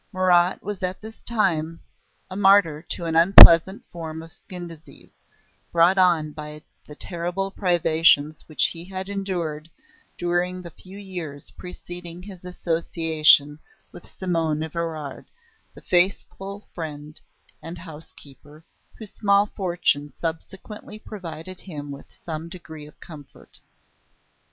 Marat was at this time a martyr to an unpleasant form of skin disease, brought on by the terrible privations which he had endured during the few years preceding his association with Simonne Evrard, the faithful friend and housekeeper, whose small fortune subsequently provided him with some degree of comfort.